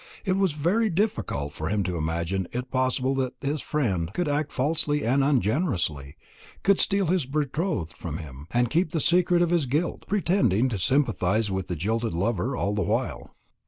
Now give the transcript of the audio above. It was very difficult for him to imagine it possible that this friend could act falsely and ungenerously, could steal his betrothed from him, and keep the secret of his guilt, pretending to sympathise with the jilted lover all the while.